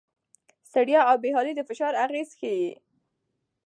ستړیا او بې حالي د فشار اغېز ښيي.